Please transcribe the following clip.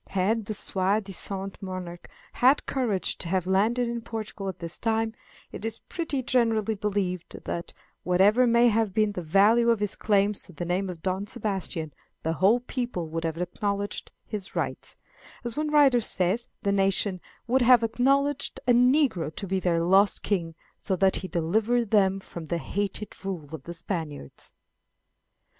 Had the soi disant monarch had courage to have landed in Portugal at this time, it is pretty generally believed that, whatever may have been the value of his claims to the name of Don Sebastian, the whole people would have acknowledged his rights; as one writer says, the nation "would have acknowledged a negro to be their lost king, so that he delivered them from the hated rule of the Spaniards."